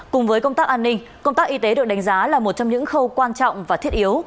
cùng với công tác an ninh công tác y tế được đánh giá là một trong những khâu quan trọng và thiết yếu